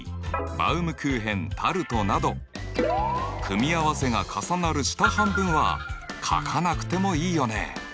バウムクーヘン・タルトなど組み合わせが重なる下半分は書かなくてもいいよね。